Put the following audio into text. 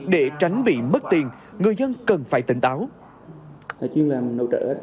để tránh bị mất tiền người dân cần phải tỉnh táo